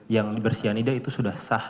yang bersianida itu sudah sah